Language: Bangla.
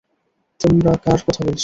তোমরা কার কথা বলছো?